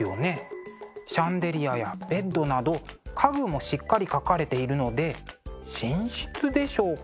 シャンデリアやベッドなど家具もしっかり描かれているので寝室でしょうか。